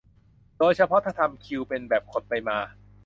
โดยเฉพาะถ้าทำคิวเป็นแบบขดไปมา